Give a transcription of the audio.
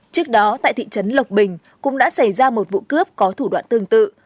trước đó tại thị trấn lộc bình cũng đã xảy ra một vụ cướp có thủ đoạn tương tự